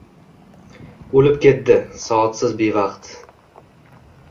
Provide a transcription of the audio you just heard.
Oʻlib ketdi soatsiz bevaqt.